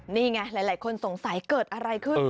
นี่ไงหลายคนสงสัยเกิดอะไรขึ้น